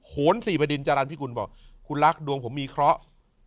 โหนสี่บดินจรรย์พิกุลบอกคุณรักดวงผมมีเคราะห์